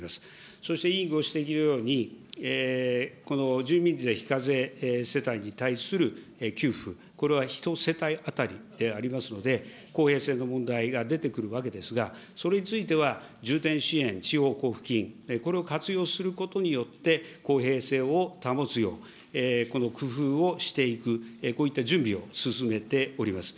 そして、委員ご指摘のように、住民税非課税世帯に対する給付、これは１世帯当たりでありますので、公平性の問題が出てくるわけですが、それについては、重点支援地方交付金、これを活用することによって、公平性を保つよう、工夫をしていく、こういった準備を進めております。